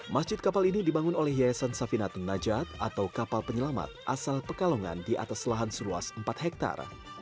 masjid kapal ini dibangun oleh yayasan safinatun najat atau kapal penyelamat asal pekalongan di atas lahan seluas empat hektare